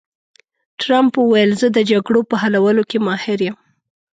ټرمپ وویل، زه د جګړو په حلولو کې ماهر یم.